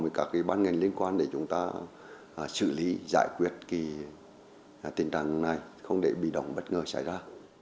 với các ban ngành liên quan để chúng ta xử lý giải quyết tình trạng này không để bị động bất ngờ xảy ra